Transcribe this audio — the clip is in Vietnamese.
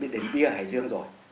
đến bia hải dương rồi